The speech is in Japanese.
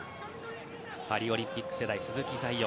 パリオリンピック世代鈴木彩艶。